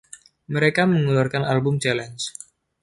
Mereka mengeluarkan album Challenge!